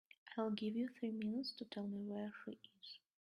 I'll give you three minutes to tell me where she is.